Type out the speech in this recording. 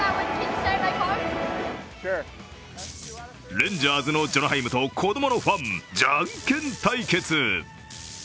レンジャーズのジョナ・ハイムと子供のファン、じゃんけん対決！